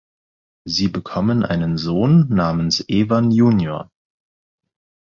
Sie bekommen einen Sohn namens Ewan junior.